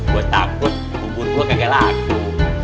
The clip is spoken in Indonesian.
gue takut bubur gue gagal aku